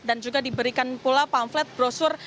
dan juga diberikan pula panggilan